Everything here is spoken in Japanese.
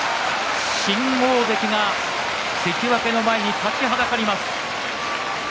新大関が関脇の前に立ちはだかります。